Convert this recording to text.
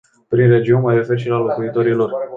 Prin regiuni, mă refer și la locuitorii lor.